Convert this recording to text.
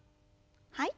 はい。